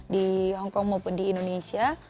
di hongkong maupun di indonesia